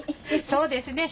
そうですね。